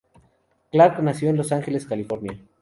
Clark nació en Los Ángeles, California.